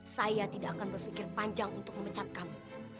saya tidak akan berpikir panjang untuk memecat kamu